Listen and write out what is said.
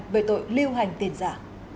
về tội lưu hành tiền giả